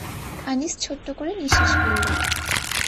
আনিস ছোট্ট করে নিঃশ্বাস ফেলল।